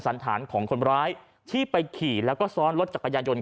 สันฐานของคนร้ายที่ไปขี่แล้วก็ซ้อนรถจักรยานยนต์